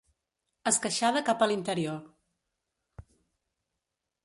Esqueixada cap a l'interior.